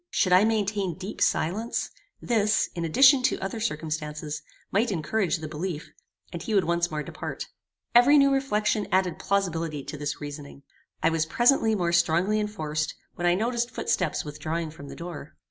Should I maintain deep silence, this, in addition to other circumstances, might encourage the belief, and he would once more depart. Every new reflection added plausibility to this reasoning. It was presently more strongly enforced, when I noticed footsteps withdrawing from the door.